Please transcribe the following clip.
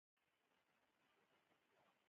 پروسس شوي خواړه زیان لري